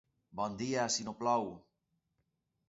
Bon dia, si no plou.